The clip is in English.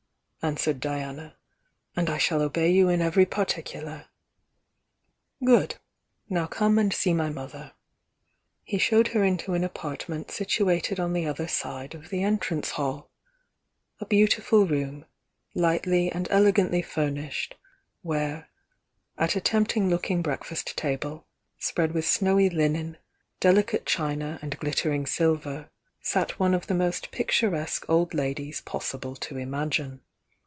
answered Diana — "And I shall obey you in every particular." "Good! Now come and see my mother." He showed her into an apartment situated on the other side of the entrance hall — a beautiful room, lightly and elegantly furnished, where, at a tempting looking breakfast table, spread with snowy linen, delicate china and glittering silver, sat one of the most picturesque old ladies possible to imagine.